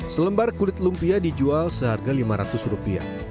selembar kulit lumpia dijual seharga lima ratus rupiah